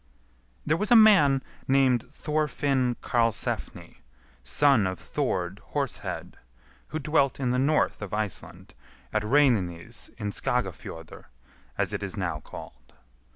There was a man named Thorfinn Karlsefni, son of Thord Horsehead, who dwelt in the north (of Iceland), at Reynines in Skagafjordr, as it is now called.